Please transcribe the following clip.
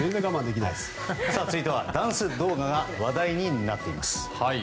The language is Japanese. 続いては、ダンス動画が話題になっています。